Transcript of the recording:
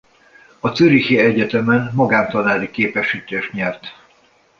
A zürichi egyetemen magántanári képesítést nyert.